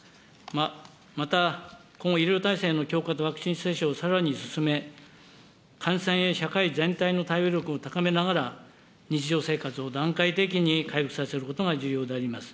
また、今後、医療体制の強化とワクチン接種をさらに進め、感染への社会全体への対応力を高めながら、日常生活を段階的に回復させることが重要であります。